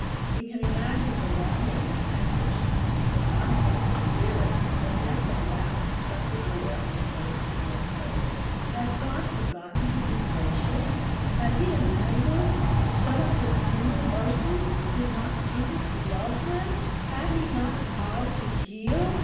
We can imagine the wonder, the anguish, the conflict of spirit, when death at last shut the door in the face of their prayers. Had God forgotten to be gracious? Had he in anger shut up his tender mercy? Did not Jesus love them? Had he not power to heal?